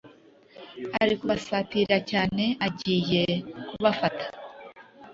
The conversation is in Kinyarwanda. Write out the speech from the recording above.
Ari ukubasatira cyane agiye kubafata